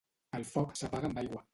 El foc s'apaga amb aigua.